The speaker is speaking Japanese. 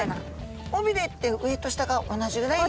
尾ビレって上と下が同じぐらいに。